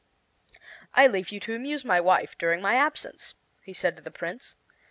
"I leave you to amuse my wife during my absence," he said to the Prince.